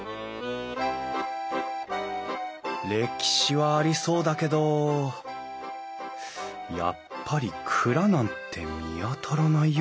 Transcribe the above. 歴史はありそうだけどやっぱり蔵なんて見当たらないよ？